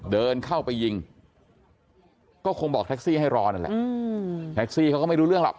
เดินเข้าไปยิงก็คงบอกแท็กซี่ให้รอนั่นแหละแท็กซี่เขาก็ไม่รู้เรื่องหรอก